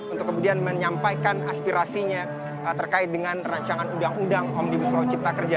untuk kemudian menyampaikan aspirasinya terkait dengan rancangan undang undang omnibus lawan